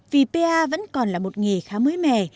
vì pa vẫn còn là một nghề khá mới mẻ